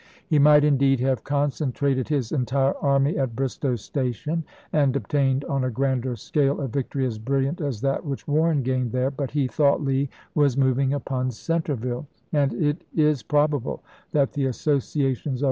He might indeed have concentrated his entire army at Bristoe Station and obtained on a grander scale a victory as brilliant as that which Warren gained there, but he thought Lee was moving upon Cen VoL. AaiL— 16 242 ABRAHAM LINCOLN Chap. IX. treville, and it is probable that the associations of A.